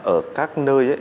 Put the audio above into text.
ở các nơi